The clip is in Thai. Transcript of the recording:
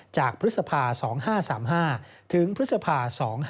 จากพฤศภา๒๕๓๕ถึงพฤศภา๒๕๕๙